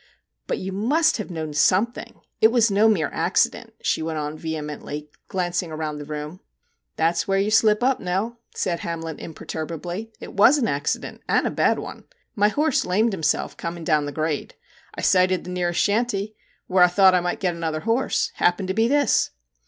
4 But you must have known some t king \ It was no mere accident/ she went on vehemently, glancing around the room. * That's where you slip up, Nell/ said Hamlin imperturbably. * It was an accident and a bad one. My horse lamed himself coming down the grade. I sighted the nearest shanty, where I thought I might get another horse. It happened to be this.'